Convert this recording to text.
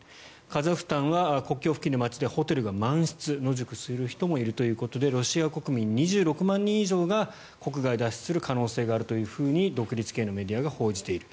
カザフスタンは国境付近の街でホテルが満室野宿する人もいるということでロシア国民２６万人以上が国外を脱出する可能性があるというふうに独立系のメディアが報じている。